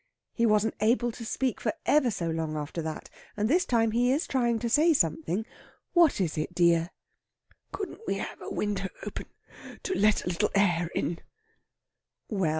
He wasn't able to speak for ever so long after that, and this time he is trying to say something.... "What is it, dear?" "Couldn't we have a window open to let a little air in?" Well!